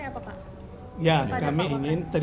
pak udam aman pak